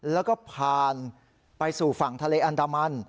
แล้วก็ผ่านไปสู่ฝั่งทะเลอันดามัน